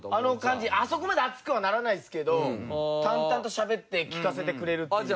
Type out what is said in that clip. あそこまで熱くはならないですけど淡々としゃべって聞かせてくれるっていう。